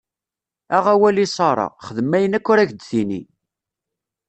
Aɣ awal i Ṣara, xdem ayen akk ara k-d-tini.